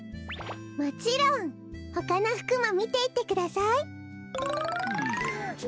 もちろん！ほかのふくもみていってください！